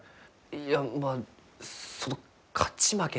いやまあその勝ち負けでは。